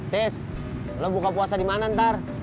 tes lo buka puasa di mana ntar